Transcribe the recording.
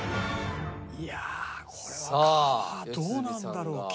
いやあこれはどうなんだろう？